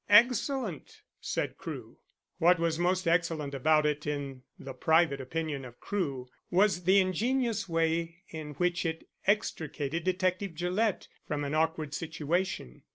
"Excellent!" said Crewe. What was most excellent about it, in the private opinion of Crewe, was the ingenious way in which it extricated Detective Gillett from an awkward situation.